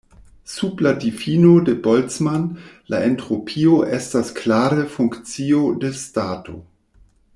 Sub la difino de Boltzmann, la entropio estas klare funkcio de stato.